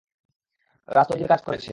রাজ তো নিজের কাজ করেছে।